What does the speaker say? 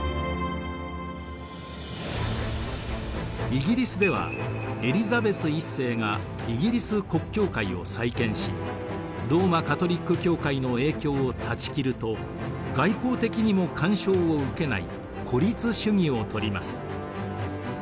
イギリスではエリザベス１世がイギリス国教会を再建しローマ・カトリック教会の影響を断ち切ると外交的にも干渉を受けない孤立主義を取ります。